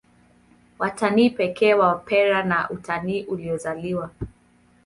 Watani pekee wa Wapare na utani uliozaliwa